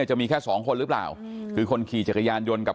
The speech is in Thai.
อายุ๑๐ปีนะฮะเขาบอกว่าเขาก็เห็นถูกยิงนะครับ